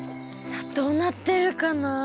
さあどうなってるかな？